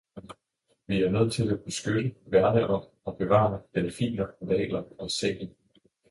Vi er nødt til at beskytte, værne om og bevare delfiner, hvaler og sæler.